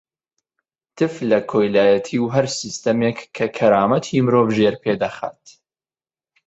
تف لە کۆیلایەتی و هەر سیستەمێک کە کەرامەتی مرۆڤ ژێرپێ دەخات.